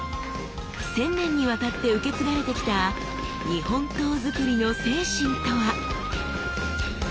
千年にわたって受け継がれてきた日本刀づくりの精神とは？